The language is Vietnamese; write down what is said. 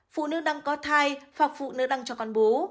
phụ nữ đang có thai hoặc phụ nữ đang cho con bú